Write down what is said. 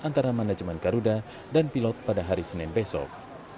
antara manajemen garuda dan pilot pada hari senin besok